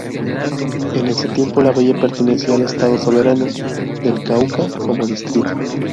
En ese tiempo la villa pertenecía al Estado Soberano del Cauca como distrito.